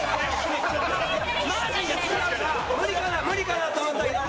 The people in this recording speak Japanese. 無理かなと思ったけど。